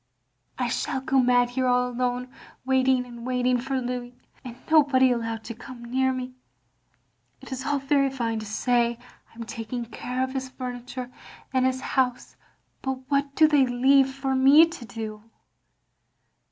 I shall go mad here aU alone, waiting and waiting for Louis, and nobody allowed to come near me. It is all very fine to say I am taking care of his OP GROSVENOR SQUARE 131 fumitiire and his hotise, but what do they leave for me to do?"